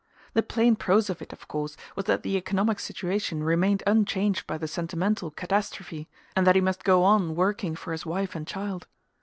The plain prose of it, of course, was that the economic situation remained unchanged by the sentimental catastrophe and that he must go on working for his wife and child.